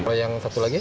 oh yang satu lagi